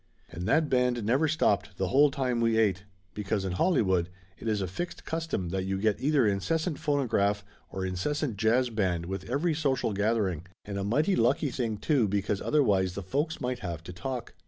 And that band never stopped the whole time we ate, because in Hollywood it is a fixed custom that you get either incessant phonograph or incessant jazz band with every social gathering, and a mighty lucky thing, too, because otherwise the folks might have to talk.